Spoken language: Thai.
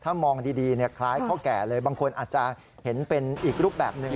ถ้ามองดีคล้ายพ่อแก่เลยบางคนอาจจะเห็นเป็นอีกรูปแบบหนึ่ง